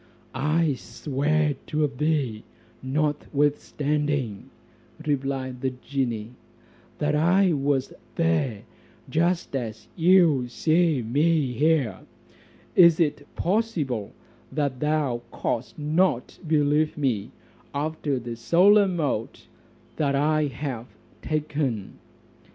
"I swear to thee, notwithstanding," replied the genie, "that I was there just as you see me here: Is it possible, that thou cost not believe me after the solemn oath I have taken?"